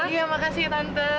iya makasih ya tante